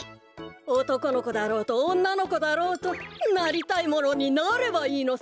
おとこのこだろうとおんなのこだろうとなりたいものになればいいのさ。